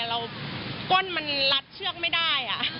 ก้นมันรัดเชือกไม่ได้